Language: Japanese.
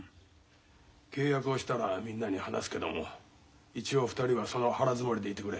契約をしたらみんなに話すけども一応２人はその腹づもりでいてくれ。